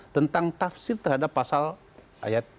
tentang tafsir terhadap pasal ayat ke tujuh